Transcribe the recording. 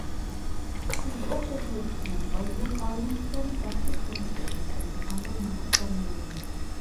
سىزگە ئوخشاش يول تۇتىمەن، ئالدى بىلەن ئائىلەمدىكىلەرنى بەختلىك تۇرمۇشقا ئېرىشتۈرىمەن، ئاندىن نامراتلارنى يۆلەيمەن.